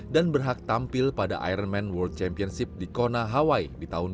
dan berhak tampil pada ironman world championship di kona hawaii di tahun dua ribu tujuh belas